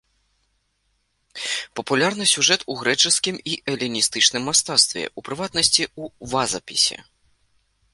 Папулярны сюжэт у грэчаскім і эліністычным мастацтве, у прыватнасці, у вазапісе.